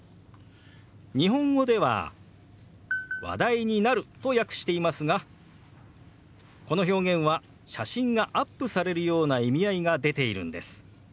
日本語では「話題になる」と訳していますがこの表現は写真がアップされるような意味合いが出ているんです。